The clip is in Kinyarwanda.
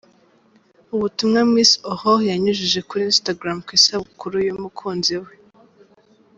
Ubutumwa Miss Aurore yanyujije kuri Instagram ku isabukuru y'umukunzi we.